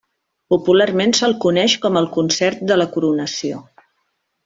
Popularment se'l coneix com el Concert de la Coronació.